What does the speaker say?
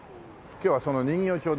今日はその人形町でね